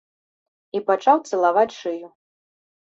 І пачаў цалаваць шыю.